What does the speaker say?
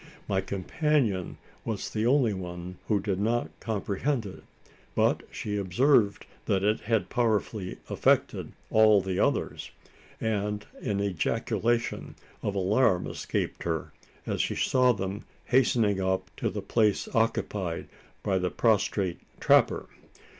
My companion was the only one who did not comprehend it; but she observed that it had powerfully affected all the others; and an ejaculation of alarm escaped her, as she saw them hastening up to the place occupied by the prostrate trapper.